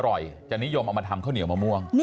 อร่อยจะนิยมเอามาทำข้าวเหนียวมะม่วง